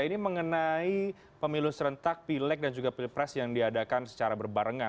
ini mengenai pemilu serentak pilek dan juga pilpres yang diadakan secara berbarengan